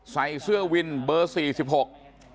ใส่เสื้อวินเบอร์สี่สิบหก